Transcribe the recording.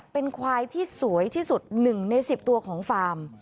เป็นควายที่สวยที่สุด๑ใน๑๐ตัวของฟาร์ม